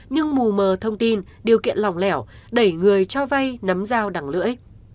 nhưng mù mờ thông tin điều kiện lỏng lẻo đẩy người cho vay nắm dao đằng lưỡi